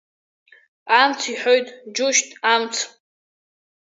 Амц иҳәоит, џьушьҭ, амц!